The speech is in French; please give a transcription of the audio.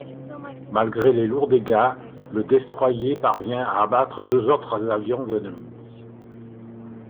Malgré les lourds dégâts, le destroyer parvient à abattre deux autres avions ennemis.